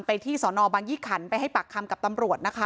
ที่สอนอบางยี่ขันไปให้ปากคำกับตำรวจนะคะ